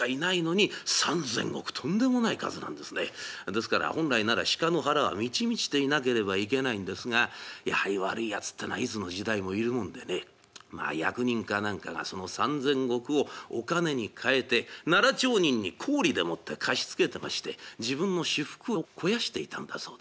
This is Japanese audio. ですから本来なら鹿の腹は満ち満ちていなければいけないんですがやはり悪いやつっていうのはいつの時代もいるもんでねまあ役人か何かがその３，０００石をお金に換えて奈良町人に高利でもって貸し付けてまして自分の私腹を肥やしていたんだそうです。